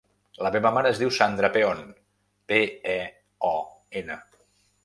La meva mare es diu Sandra Peon: pe, e, o, ena.